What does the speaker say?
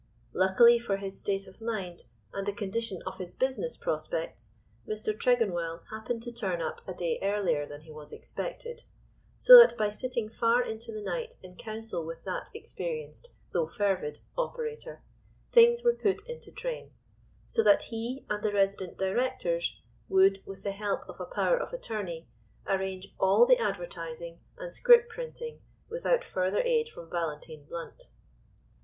Luckily for his state of mind and the condition of his business prospects, Mr. Tregonwell happened to turn up a day earlier than he was expected, so that by sitting far into the night in council with that experienced though fervid operator, things were put into train; so that he and the resident directors would, with the help of a power of attorney, arrange all the advertising and scrip printing without further aid from Valentine Blount.